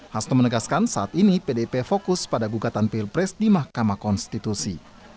hasto menegaskan saat ini pdip fokus pada gugatan pilpres di mahkamah konstitusi